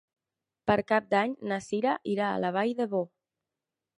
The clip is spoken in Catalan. Per Cap d'Any na Sira irà a la Vall d'Ebo.